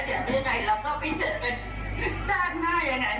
แล้วเดี๋ยวเราก็พิเศษเป็นด้านหน้าอย่างไร